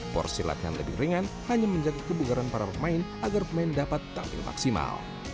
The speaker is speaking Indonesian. porsi latihan lebih ringan hanya menjaga kebugaran para pemain agar pemain dapat tampil maksimal